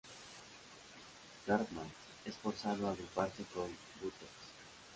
Cartman es forzado a agruparse con Butters.